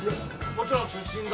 もちろん出身が？